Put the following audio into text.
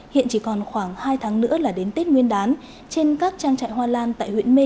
hiện chỉ còn khoảng hai tháng nữa là đến tết nguyên đán trên các trang trại hoa lan tại huyện mê